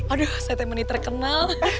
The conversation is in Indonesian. aduh saya teh mani terkenal